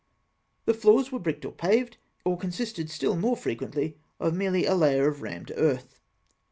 The floors were bricked or paved, or consisted still more frequently of merely a layer of rammed earth.